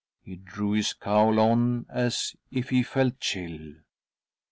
'. He drew his cowl on, as if he felt chill.